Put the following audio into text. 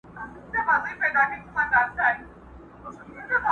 هره شېبه د انتظار پر تناره تېرېږي.!